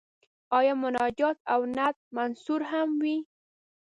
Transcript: آیا مناجات او نعت منثور هم وي.